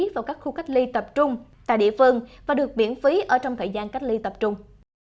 vào các khu cách ly tập trung tại địa phương và được miễn phí ở trong thời gian cách ly tập trung